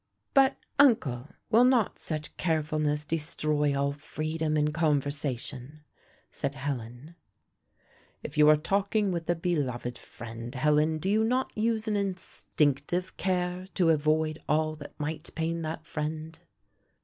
"But, uncle, will not such carefulness destroy all freedom in conversation?" said Helen. "If you are talking with a beloved friend, Helen, do you not use an instinctive care to avoid all that might pain that friend?"